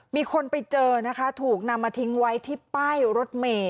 มีคนไปเจอนะคะถูกนำมาทิ้งไว้ที่ป้ายรถเมย์